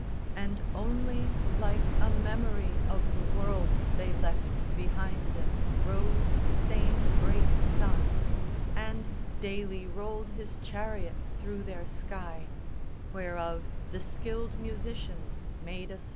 And only like a memory of the world They left behind them rose the same great sun, And daily rolled his chariot through their sky, Whereof the skilled musicians made a song.